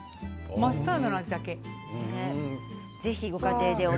マスタードの味だけ。